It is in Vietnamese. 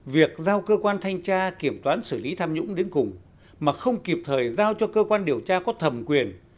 việc giao cơ quan thanh tra kiểm toán xử lý tham nhũng đến cùng mà không kịp thời giao cho cơ quan điều tra có thẩm quyền